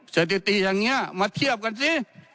สถิติอย่างนี้มาเทียบกันสิ